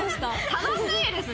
楽しいですね！